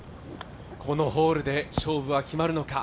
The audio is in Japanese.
このホールで勝負は決まるのか。